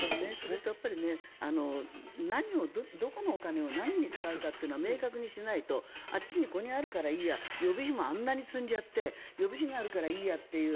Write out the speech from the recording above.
それとどこのお金を何に使うのかを明確にしないとあっちに、ここにあるからいいや予備費もあんなに積んじゃって予備費があるからいいやという。